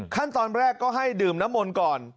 ขั้นตอนแรกก็ให้ดื่มน้ำมนต์ก่อน